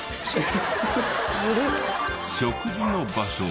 食事の場所も。